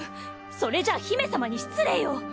それじゃあ姫様に失礼よ！